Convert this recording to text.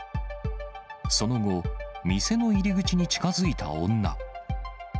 その後、店の入り口に近づいた女。